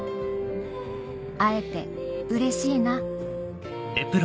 「会えてうれしいな」